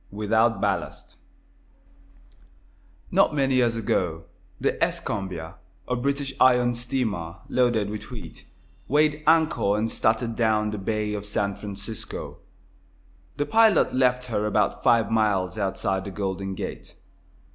WITHOUT BALLAST Not many years ago the "Escambia," a British iron steamer, loaded with wheat, weighed anchor and started down the bay of San Francisco. The pilot left her about five miles outside the Golden Gate.